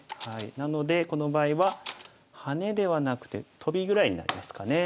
なのでこの場合はハネではなくてトビぐらいになりますかね。